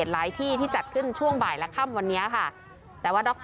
หลายที่ที่จัดขึ้นช่วงบ่ายและค่ำวันนี้ค่ะแต่ว่าดร